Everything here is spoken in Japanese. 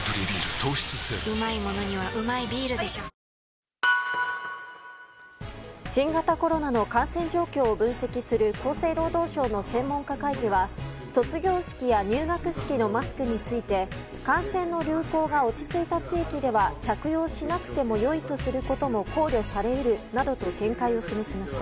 糖質ゼロ新型コロナの感染状況を分析する厚生労働省の専門家会議は卒業式や入学式のマスクについて感染の流行が落ち着いた地域では着用しなくてもよいとすることも考慮され得るなどと見解を示しました。